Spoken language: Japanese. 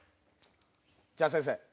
じゃあ先生